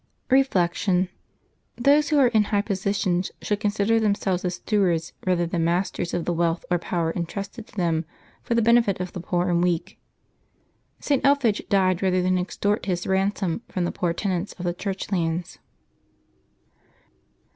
Reflection. — Those who are in high positions should consider themselves as stewards rather than masters of the wealth or power intrusted to them for the benefit of the poor and weak. St. Elphege died rather than extort his ransom from the poor tenants of the Church lands.